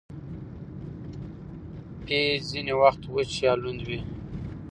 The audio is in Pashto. پيچ ځیني وخت وچ یا لوند يي.